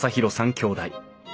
きょうだい。